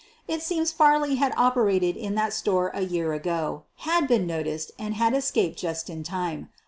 It seems Farley had operated in that store a year ago, had been noticed and had escaped just in time.